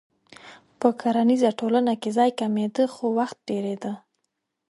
په کرنیزه ټولنه کې ځای کمېده خو وخت ډېرېده.